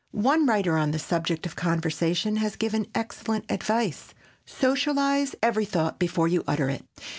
One writer on the subject of conversation has given excellent advice: "Socialize every thought before you utter it."